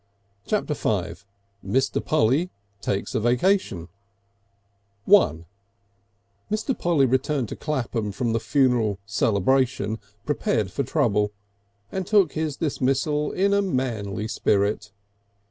Chapter the Fifth Mr. Polly Takes a Vacation I Mr. Polly returned to Clapham from the funeral celebration prepared for trouble, and took his dismissal in a manly spirit.